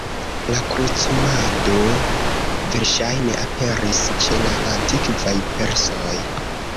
La krucumado verŝajne aperis ĉe la antikvaj persoj.